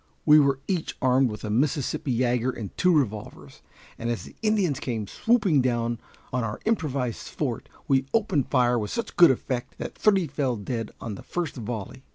We were each armed with a Mississippi yager and two revolvers, and as the Indians came swooping down on our improvised fort, we opened fire with such good effect that three fell dead at the first volley.